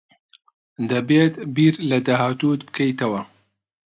دەبێت بیر لە داهاتووت بکەیتەوە.